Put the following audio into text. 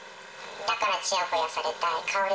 だからちやほやされたい、かほり